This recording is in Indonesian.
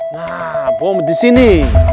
nah bom disini